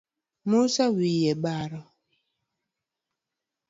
Musa woyo maber .